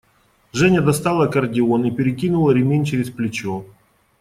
Женя достала аккордеон и перекинула ремень через плечо.